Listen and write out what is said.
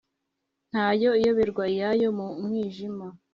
ntayo iyoberwa iyayo mu mwijima